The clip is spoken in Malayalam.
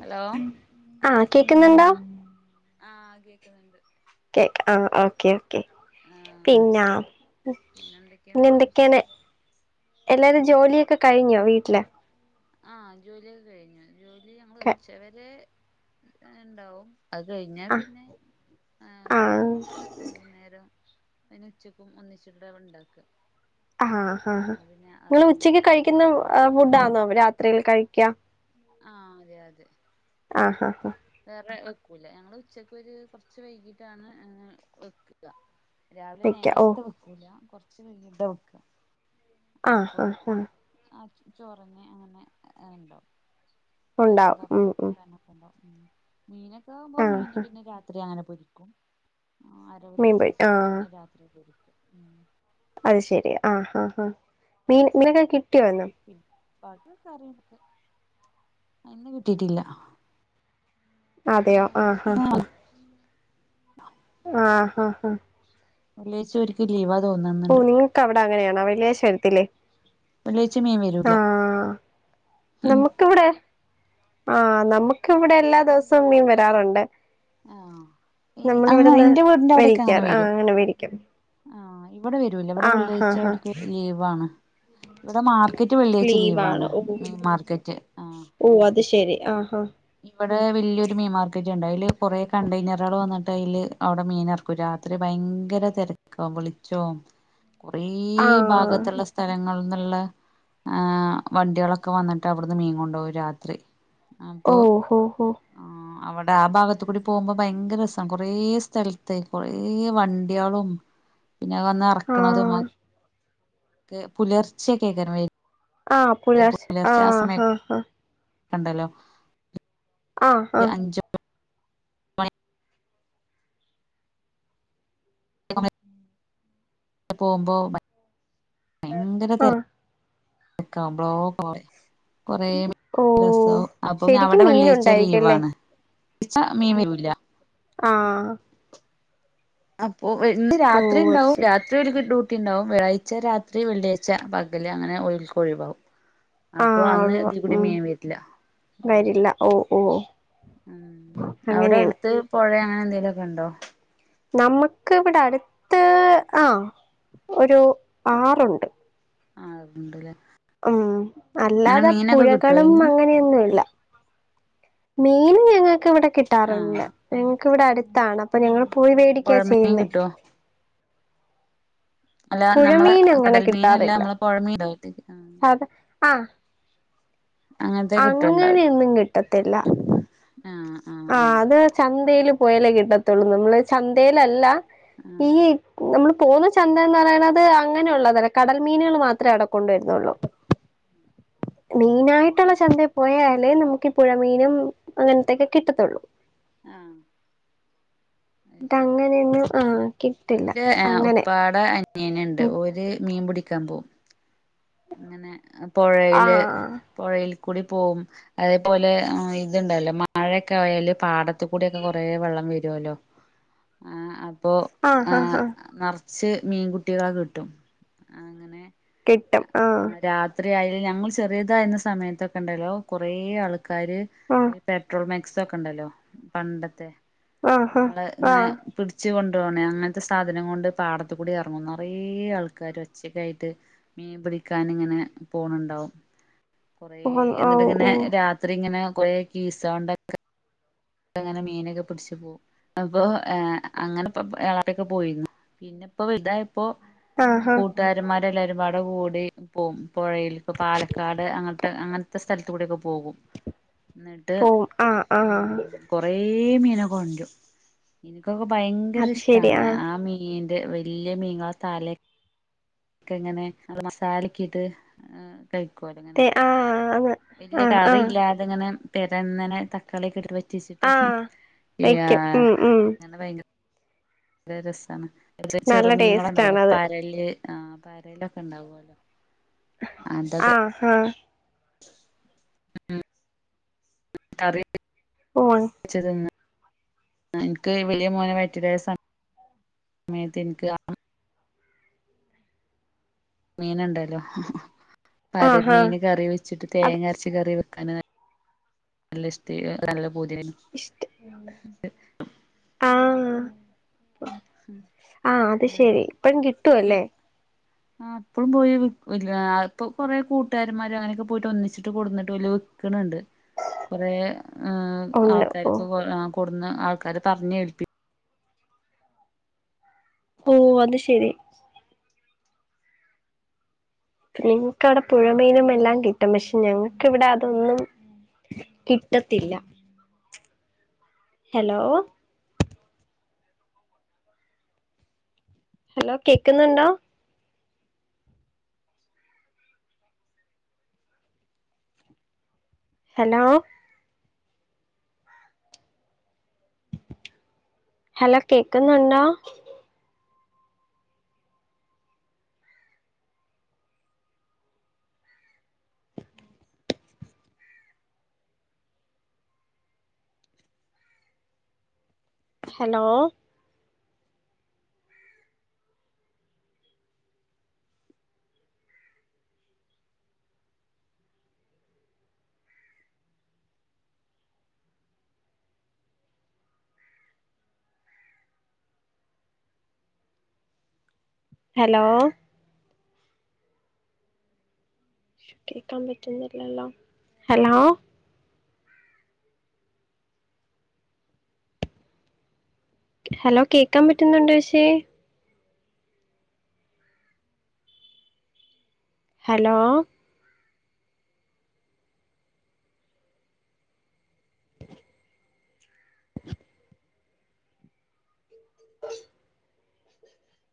ഹലോ ആ കേക്കുന്നുണ്ടോ? ആ കേക്കുന്നുണ്ട്. കേ ആ ഓക്കെ ഓക്കേ ആഹ് പിന്നെ പിന്നെ എന്തൊക്കെയാന്നിട്ട് പിന്നെന്തൊക്കെണ് വിശേഷം എല്ലാരും ജോലിയൊക്കെ കഴിഞ്ഞോ വീട്ടിലെ? ആഹ ജോലിയൊക്കെ കഴിഞ്ഞു ജോലി ഞങ്ങൾ ക ഉച്ച വരെ ഉണ്ടാവും. അത് കഴിഞ്ഞാ ആ പിന്നെ ആ ഒന്നും ഉണ്ടാവില്ല. വൈകുന്നേരം പിന്നെ ഉച്ചക്കും ഒന്നിച്ചിട്ടാ ഉണ്ടാക്കാ. ആഹ് ഹാ ഹാ നിങ്ങൾ ഉച്ചക്ക് ഉം കഴിക്കുന്ന ഫുഡാണോ രാത്രിയിൽ കഴിക്കാ? ആഹ അതെ അതെ ആഹാ ഹാ ഹാ. വേറെ വെക്കൂല്ല ഞങ്ങള് ഉച്ചക്ക് ഒരു കുറച്ച് വൈകിട്ടാണ് വെക്കുക. രാവിലെ വെക്ക ഓ നേരത്തെ വെക്കൂല കൊറച്ച് വൈകിട്ടാ വെക്കാ ആ അപ്പൊ. ഹാ ഹാ ആ ചോറഞ്ഞെ അങ്ങനെ ഉണ്ടാവും. ഉണ്ടാവും ഉം മീനൊക്കെആവുമ്പോ ആ മീന് ഹാ പിന്നെ രാത്രി അങ്ങനെ പൊരിക്കും. ആ അരവ് മീൻ തേച്ച് പൊരി ആ വെച്ചിട്ട് പിന്നെ രാത്രി പൊരിക്കും. അത് ശെരി ആ ഹാ ഹ മീൻ മിനന്നെ കിട്ടിയോ ഇന്ന്? ബാക്കി കറിം ഇന്ന് കിട്ടിട്ടില്ല. അതെയോ ആ ഹാ ഇന്ന് ഹാ. ആഹ ഹാ ഹാ. വെള്ളിയച്ച ഓര്ക്ക് ലീവാ ഓ തോന്നുന്നുണ്ട്. നിങ്ങൾക്ക് അവിടെ അങ്ങനെയാണോ വെള്ളിയാഴച വരത്തില്ലേ? വെള്ളാഴ്ച മീൻ വരൂല. ആ ഉം നമുക്കിവിടെ ആഹ നമുക്കിവിടെ എല്ലാ ദിവസവും മീൻ വരാറുണ്ട്. ആഹ് നമ്മള അങ്ങനെ ഇവിടുന്ന് എന്റെ വേടിക്കാറാ അങ്ങനെ വേടിക്കും. ആഹ ഇവിടെ വരുല ഇവിടെ ആഹ് ഹാ വെള്ളിയാഴ്ച ഹാ ഓൽക്ക് ലീവാണ്. ഇവിടെ മാർക്കറ്റ് വെള്ളിയാച്ച ലീവാണ് മീൻമാർക്കറ്റ് ആ ഓ അത് ശെരി ആഹ് ഇവിടെ വലിയൊരു മീൻ മാർക്കറ്റ് ഉണ്ട്, അയില് കുറെ കണ്ടെയ്നറുകൾ വന്നിട്ട് അയില് അവിടെ മീൻ എറക്കി. ക്കും രാത്രി ഭയങ്കര തിര കവിളിച്ചോ കൊറെ ആഹ് ഭാഗത്തുള്ള സ്ഥലങ്ങൾ ഉള്ളു. ആഹ് വണ്ടികളൊക്കെ വന്നിട്ട് അവിടുന്ന് മീൻ കൊണ്ടു പോകും രാത്രി അപ്പൊ. ഉ ആഹ് അവിടെ ആഹ് ഭാഗത്ത് കൂടി പോകുമ്പോ ഭയങ്കര രസ, കൊറെ സ്ഥലത്ത് കൊറെ വണ്ടിയ്ളും. പിന്നെ വന്ന് ഇറക്കണതും. ആഹ് ഇത് പുലർച്ചൊക്കെ കേക്കൽ ഉണ്ട്. ആഹ് പുലർച്ച ആഹ് ആഹ് ആഹ്. കണ്ടല്ലോ ആഹ് ആഹ് മണി നമ്മള് പോകുമ്പോ ഭയങ്കര തെരക്ക്. ആഹ് തിരക്ക് ആകുമ്പോളോ കൊറെ കൊറെ. ഓ രസവും അപ്പൊ ശരിക്കും അവിടെ വെള്ളിയാഴ്ച മീനുണ്ടായിരിക്കുംല്ലേ ലീവാണ് എന്നുവെച്ചാൽ മീൻ വരുല്ല. ആഹ് അപ്പൊ എന്നും ഓ രാത്രി അത് ഉണ്ടാവോ ശരി രാ ഇത് ഓലക്ക് ഡ്യൂട്ടി ഉണ്ടാവും, വെള്ളിയാഴ്ച രാത്രി വെള്ളിയാഴ്ച പകല് അങ്ങനെ ഓലുക്ക് ഒഴിവാകും. അപ്പൊ ആഹ് അന്ന് ഒഴിവാ ഇതികൂടി ഉം മീൻ വരില്ല. വരില്ല ഓ ഓ ഉം അവിടെ അങ്ങനെയാണ് അടുത്ത് പുഴ അങ്ങനെ എന്തേലുമൊക്കെ ഉണ്ടോ? നമുക്ക് ഇവിടെ അടുത്ത് ആഹ് ഒരു ആറുണ്ട്. ആഹ് ആറുണ്ട് അല്ലേ. ഉം അല്ലാതെ കിട്ടോ പുഴകളും അയിന്ന് അങ്ങനെയൊന്നും ഇല്ല. മീൻ ഞങ്ങൾക്ക് ഇവിടെ കിട്ടാറുണ്ട്, ആ ഞങ്ങക്കിവിടെ അടുത്താണ്. അപ്പൊ ഞങ്ങള് പോയി മേടിക്കാ പുഴമീൻ ചെയ്യുന്നേ. കിട്ടുവോ അല്ല നമ്മള് പുഴമീൻ അങ്ങനെ കടൽ മീനല്ല നമ്മള് പുഴ മീന് ആഹ്. അതെ ആഹ് അങ്ങനത്തെ കിട്ടുണ്ടാവില്ല അങ്ങനൊന്നും കിട്ടത്തില്ല. ആഹ് ആഹ് അത് ചന്തയില് പോയാലേ കിട്ടത്തുള്ളൂ, നമ്മള് ചന്തയിൽ അല്ല ആഹ് ഈ. നമ്മൾ പോകുന്ന ചന്തയെന്ന് പറയുന്നത് അങ്ങനെയുള്ളതല്ല കടൽ മീനുകൾ മാത്രമേ അവിടെ. കൊണ്ടു വരുന്നുള്ള. മെയിനായിട്ടുള്ള ചന്തയിൽ പോയാലേ നമുക്ക് ഈ പുഴമീനും അങ്ങനത്തൊക്കെ കിട്ടത്തുള്ളൂ. ആഹ് അത് ഇത് ശരി അങ്ങനെയൊന്നും ആഹ് കിട്ടില്ല അങ്ങനെ. ഇവിടെ അനിയൻ ഉണ്ട്, ഓര് മീൻ പിടിക്കാൻ പോകും. അങ്ങനെ ആ പുഴയില് പുഴയിൽ കൂടി പോവും. അതേപോലെ ഇതുണ്ടല്ലോ മഴയൊക്കെ ആയാല് പാടത്തുകൂടിയൊക്കെ കൊറെ വെള്ളം വരുമല്ലോ. ആഹ് അപ്പോ ആ ആ ആഹ് ആ നെറച്ച് മീൻകുട്ടികളെ കിട്ടും. അങ്ങനെ കിട്ടും ആ ആഹ് രാത്രിയാലും ഞങ്ങൾ ചെറിയതായിരുന്നു സമയത്തൊക്കെ ഉണ്ടല്ലോ കൊറെ ആൾക്കാര്. ആ ഈ പെട്രോൾ മാക്സ് ഒക്കെ ഉണ്ടല്ലോ, പണ്ടത്തെ ആ നമ്മള് ആ ആ ഇങ്ങനെ. പിടിച്ച് കൊണ്ട് പോണ് അങ്ങനത്തെ സാധനം കൊണ്ട് പാടത്ത് കൂടി ഇറങ്ങും നെറയേ ആൾക്കാര് ഒച്ചെക്കായിട്ട്. മീൻ പിടിക്കാൻ ഇങ്ങനെ പോണുണ്ടാവും, കൊറെ ഓ ഓ എന്നിട്ട് ഓ ഇങ്ങനെ രാ രാത്രി ഇങ്ങനെ കൊറെ കീ സൗണ്ട് ഒക്കെ. അങ്ങനെ മീനൊക്കെ പിടിച്ച് പോവും, അപ്പോ ആഹ് അങ്ങനെ ഇപ്പൊ ഇളയവൻ ഒക്കെ പോയിരുന്നു. പിന്നെ ഇപ്പോ വലുതായിപ്പോ ആ ആ കൂട്ടുകാരന്മാരെല്ലരും പടക്കൂടി. പോവും പുഴയിലൊക്കെ പാലക്കാട് അങ്ങനത്തെ അങ്ങനത്തെ സ്ഥലത്തൂടൊക്കെ പോകും. എന്നിട്ട് പോവും ആ ആ ഉം കൊറെ മീനെ കൊണ്ടരും. എനിക്കൊക്കെ ഭയങ്കര അത് ശരി ഇഷ്ടാണ്, ആ മീന്റെ വല്യ [unintelligible] തല [unintelligible] ക്കിങ്ങനെ നല്ല മസാലേക്കിട്ട് എഹ് തെ കഴിക്കൂലിങ്ങനെ ആ അത് ആ വല്യ ആ കറി ഇല്ലാതെ ഇങ്ങനെ [unintelligible] തക്കാളിക്കെ [unintelligible] ച്ചിട്ട് ആ വെക്കും ആഹ് ഉം ഉം അങ്ങനെ വയങ്ക ര രസാണ്, [unintelligible] നല്ല ചെറുമീനുകള് ടേസ്റ്റ് ഉണ്ടാവുല്ലോ ആണത് പരല്, ആഹ് പരലൊക്കെ ഉണ്ടാവുവല്ലോ അതൊ ആഹ് ആഹ് മ് [unintelligible] കറി [unintelligible] [unintelligible] ച്ചതെന്ന് ആ എന്ക്ക് വലിയ മോനെ വയറ്റിലായ സ സമയത്തിന്ക്കാ മീന് ഉണ്ടല്ലോ ആ പരൽ ആ മീന് കറി വെ ച്ചിട്ട് അത് തേങ്ങ അരച്ച് കറി വെക്കാന് നല്ല ഇഷ്ട നല്ല പൂതിയാണ്‌. ഇഷ്ട അ ആഹ് അത് ശരി എന്നിട്ട് ഇപ്പഴും കിട്ടുല്ലേ. ആഹ് അപ്പോഴും പോയി [unintelligible] അപ്പോ കൊറെ കൂട്ടുകാരമാര് അങ്ങനെയൊക്കെ പോയിട്ട് ഒന്നിച്ചിട്ട് കൂടുന്നിട്ട് [unintelligible] ക്ക്ണ്ണ്ട് കൊറേ ഏഹ് ഉണ്ട് ഓ ആൾക്കാർക്ക് കൊ ആഹ് കൊടുന്ന് ആൾക്കാര് തമ്മി അടിപ്പി ഓഹ് അത് ശെരി. നിങ്ങ്ക്കവിടെ പുഴ മീനും എല്ലാം കിട്ടും, പക്ഷേ ഞങ്ങക്കിവിടെ അതൊന്നും കിട്ടത്തില്ല. ഹലോ ഹലോ കേക്ക്ന്ന്ണ്ടോ? ഹലോ ഹലോ കേക്ക്ന്നുണ്ടോ? ഹലോ ഹലോ കേക്കാൻ പറ്റുന്നില്ലല്ലോ ഹലോ ഹലോ കേക്കാൻ പറ്റുന്നുണ്ടോ [unintelligible] ഹലോ